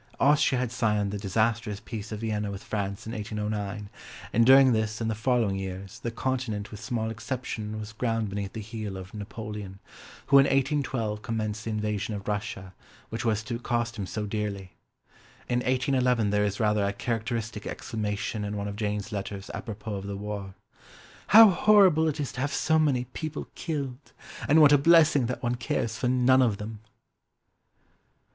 Austria had signed the disastrous Peace of Vienna with France in 1809, and during this and the following years the Continent with small exception was ground beneath the heel of Napoleon, who in 1812 commenced the invasion of Russia which was to cost him so dearly. In 1811 there is rather a characteristic exclamation in one of Jane's letters apropos of the war: "How horrible it is to have so many people killed! And what a blessing that one cares for none of them!"